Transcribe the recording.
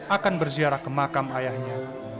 akan berziarah ke makam ayahnya